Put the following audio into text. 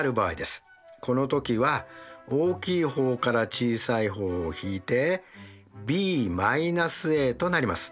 この時は大きい方から小さい方を引いてｂ−ａとなります。